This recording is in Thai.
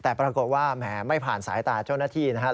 แต่ปรากฏว่าแหมไม่ผ่านสายตาเจ้าหน้าที่นะครับ